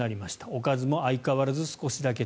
おかずも相変わらず少しだけ。